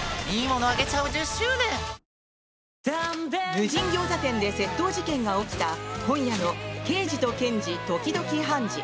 無人ギョーザ店で窃盗事件が起きた今夜の「ケイジとケンジ、時々ハンジ。」。